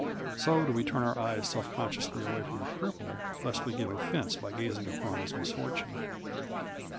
So do we turn our eyes self consciously away from a cripple, lest we give offense by gazing upon his misfortune.